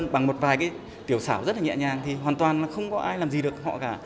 bằng một vài cái tiểu xảo rất là nhẹ nhàng thì hoàn toàn là không có ai làm gì được họ cả